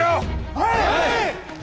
はい！